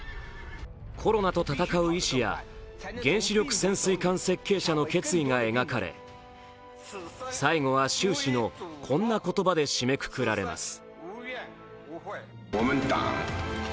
コロナと闘う医師や原子力潜水艦設計者の決意が描かれ最後は習氏のこんな言葉で締めくくられます。